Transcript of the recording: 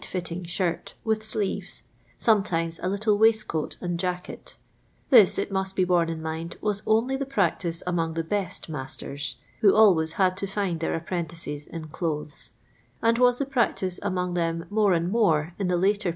fitting shirt with sleeves; sometimes a little ' waistcoat and jacket This, it must be bonie in I mind, was only the practice among the best masters (who always had to find their apprentices in clothes) ; and was the practice among them more and more in the later |H